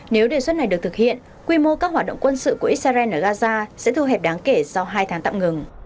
nếu đề xuất này được thực hiện quy mô các hoạt động quân sự của israel ở gaza sẽ thu hẹp đáng kể sau hai tháng tạm ngừng